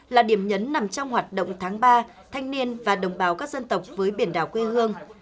là điểm nhấn nằm trong hoạt động tháng ba thanh niên và đồng bào các dân tộc với biển đảo quê hương